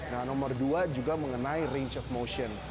nah nomor dua juga mengenai range of motion